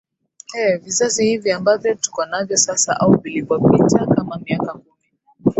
ee vizazi hivi ambavyo tukonavyo sasa au vilivo pita kama miaka kumi